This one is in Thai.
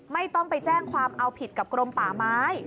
ไม่ต้องไปแจ้งความเอาผิดกับกรมป่าไม้